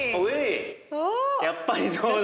やっぱりそうだ。